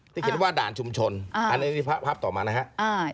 ที่เห็นว่าด่านชุมชนอันนี้ภาพต่อมานะครับ